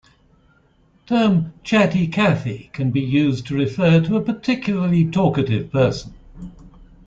Term "Chatty Cathy" can be used to refer to a particularly talkative person.